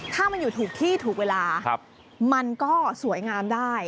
ถ้ามันอยู่ถูกที่ถูกเวลามันก็สวยงามได้